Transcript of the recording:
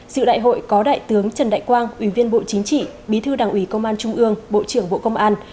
sự đại hội có đại tướng trần đại quang ủy viên bộ chính trị bí thư đảng ủy công an trung ương bộ trưởng bộ công an